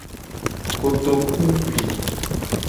Kotokuwui.